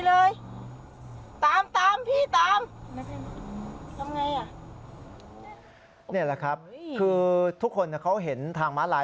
นี่แหละครับคือทุกคนเขาเห็นทางม้าลาย